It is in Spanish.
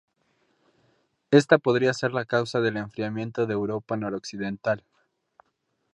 Esta podría ser la causa del enfriamiento de Europa noroccidental.